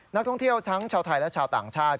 นักท่องเที่ยวทั้งชาวไทยและชาวต่างชาติ